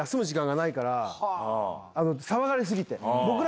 騒がれ過ぎて。